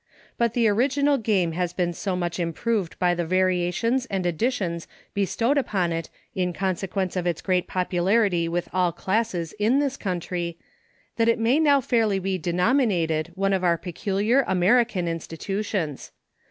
But the original game has been so much improved by the variations and additions bestowed upon it in consequence of its great popularity with all classes in this country, that it may now fairly be denominated one of our peculiar American institutions.